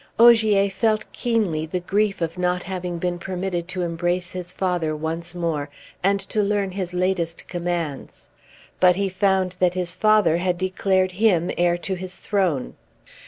Ogier felt keenly the grief of not having been permitted to embrace his father once more, and to learn his latest commands; but he found that his father had declared him heir to his throne.